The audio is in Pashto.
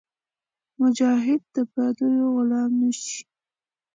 مجاهد د پردیو غلام نهشي.